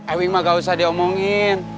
ewing mah gak usah diomongin